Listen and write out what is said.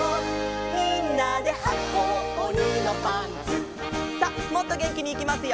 「みんなではこうおにのパンツ」さあもっとげんきにいきますよ！